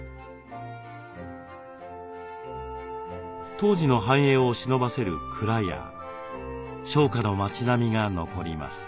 当時の繁栄をしのばせる蔵や商家の町並みが残ります。